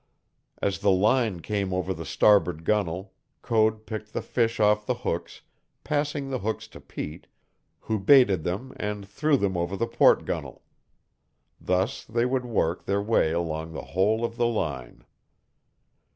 As the line came over the starboard gunnel Code picked the fish off the hooks, passing the hooks to Pete, who baited them and threw them over the port gunnel. Thus they would work their way along the whole of the line.